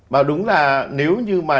mà đúng là nếu như mà